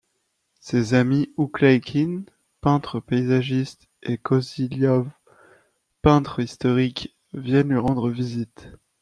Ses amis Oukléïkine, peintre paysagiste, et Kosyliov, peintre historique, viennent lui rendre visite.